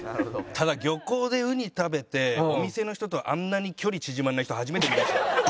ただ漁港でウニ食べてお店の人とあんなに距離縮まんない人初めて見ましたね。